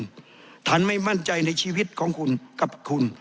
ท่านไม่มั่นใจในชีวิตของคุณกับคุณ